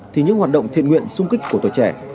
thì những hoạt động thiện nguyện sung kích của tuổi trẻ